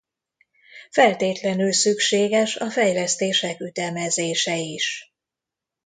Feltétlenül szükséges a fejlesztések ütemezése is.